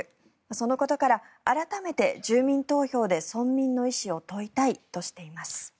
そのことから、改めて住民投票で村民の意思を問いたいとしています。